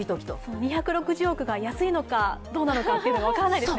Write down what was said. ２６０億が安いのかどうなのか分からないですね。